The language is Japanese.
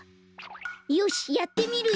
よしっやってみるよ。